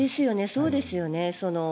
そうですよね。